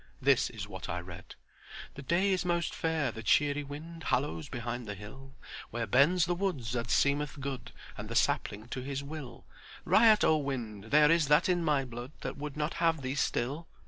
This is what I read: "The day is most fair, the cheery wind Halloos behind the hill, Where bends the wood as seemeth good, And the sapling to his will! Riot O wind; there is that in my blood That would not have thee still!